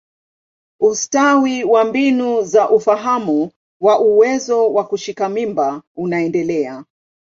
Ustawi wa mbinu za ufahamu wa uwezo wa kushika mimba unaendelea.